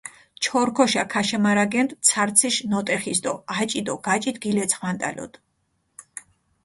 ჩორქოშა ქაშემარგენდჷ ცარციშ ნოტეხის დო აჭი დო გაჭით გილეცხვანტალუდჷ.